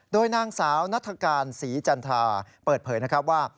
โดยนางสาวนัฐกาลศรีจันทราเปิดเผยนะครับว่า